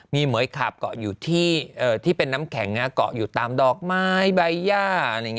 มีเหมือยขาบเกาะอยู่ที่เป็นน้ำแข็งเกาะอยู่ตามดอกไม้ใบย่า